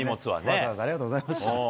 わざわざありがとうございました。